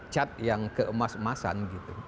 cat yang keemas emasan